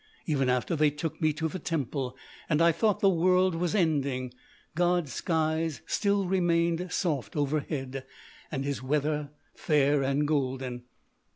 Even after they took me to the temple, and I thought the world was ending, God's skies still remained soft overhead, and His weather fair and golden....